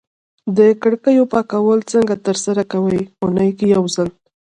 د کړکیو پاکول څنګه ترسره کوی؟ اونۍ کی یوځل